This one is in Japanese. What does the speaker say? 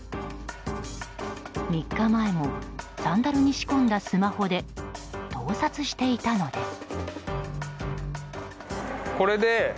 ３日前もサンダルに仕込んだスマホで盗撮していたのです。